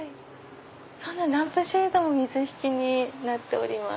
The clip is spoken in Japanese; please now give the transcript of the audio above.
そのランプシェードも水引になっております。